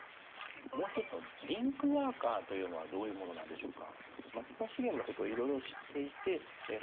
もう一つのリンクワーカーというのはどういうものなんでしょうか？